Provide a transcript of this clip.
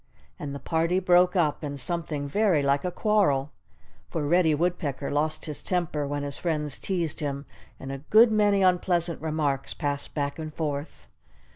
And the party broke up in something very like a quarrel. For Reddy Woodpecker lost his temper when his friends teased him; and a good many unpleasant remarks passed back and forth.